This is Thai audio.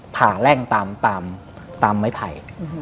ผ่าแร่งตามไม้ไผ่